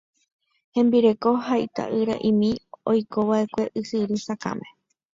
Hembireko ha ita'yramimi oikova'ekue Ysyry Sakãme.